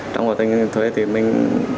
trong quá trình thuê thì mình